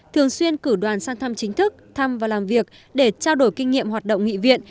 thường xuyên cử đoàn sang thăm chính thức thăm và làm việc để trao đổi kinh nghiệm hoạt động nghị viện